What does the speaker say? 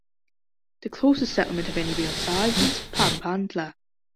The closest settlement of any real size is Papantla.